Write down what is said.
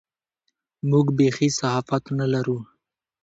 موږ بېخي صحافت نه لرو.